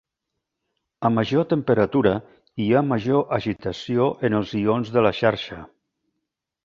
A major temperatura hi ha major agitació en els ions de la xarxa.